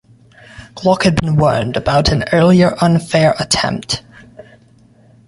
Glock had been warned about an earlier unfair attempt.